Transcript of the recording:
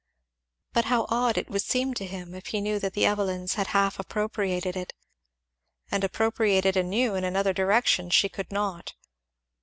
But how odd it would seem to him if he knew that the Evelyns had half appropriated it. And appropriate it anew, in another direction, she could not.